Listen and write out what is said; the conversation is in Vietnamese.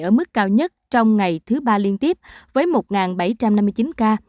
ở mức cao nhất trong ngày thứ ba liên tiếp với một bảy trăm năm mươi chín ca